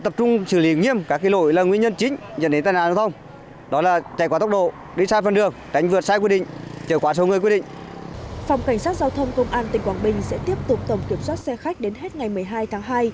phòng cảnh sát giao thông công an tỉnh quảng bình sẽ tiếp tục tổng kiểm soát xe khách đến hết ngày một mươi hai tháng hai